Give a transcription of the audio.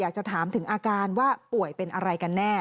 อยากจะถามถึงอาการว่าป่วยเป็นอะไรกันแน่